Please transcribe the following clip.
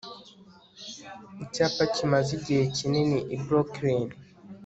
Icyapa kimaze igihe kinini i Brooklyn